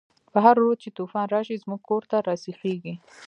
په هر رود چی توفان راشی، زموږ کور ته راسيخيږی